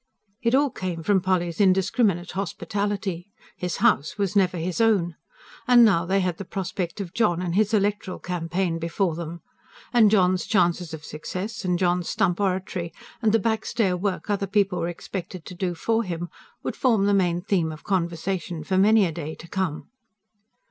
It all came from Polly's indiscriminate hospitality. His house was never his own. And now they had the prospect of John and his electoral campaign before them. And John's chances of success, and John's stump oratory, and the backstair work other people were expected to do for him would form the main theme of conversation for many a day to come.